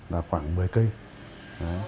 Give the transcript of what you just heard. là khoảng một mươi km